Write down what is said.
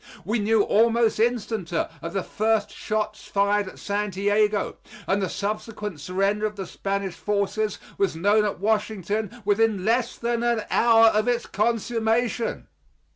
We knew almost instanter of the first shots fired at Santiago, and the subsequent surrender of the Spanish forces was known at Washington within less than an hour of its consummation.